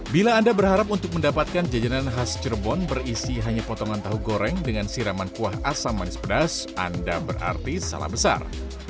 bila anda berharap untuk mendapatkan jajanan khas cirebon berisi hanya potongan tahu goreng dengan siraman kuah asam manis pedas anda berarti salah besar